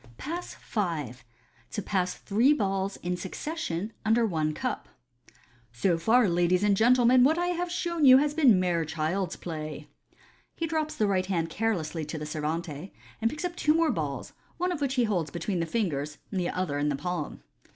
Pass V. To pass three Balls in succession under one Cup. —" So far, ladies and gentlemen, what I have shown you has 284 MODERN MAGIC. been mere child's play." He drops the right hand carelessly to the lewante, and picks up two more balls, one of which he holds between the fingers, and the other in the palm.